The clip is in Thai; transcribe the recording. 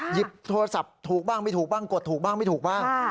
หยิบโทรศัพท์ถูกบ้างไม่ถูกบ้างกดถูกบ้างไม่ถูกบ้าง